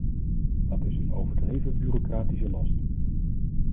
Dat is een overdreven bureaucratische last.